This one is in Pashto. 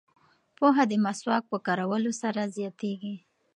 پوهه د مسواک په کارولو سره زیاتیږي.